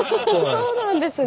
そうなんですね。